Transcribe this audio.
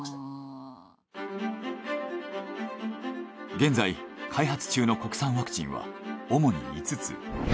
現在開発中の国産ワクチンは主に５つ。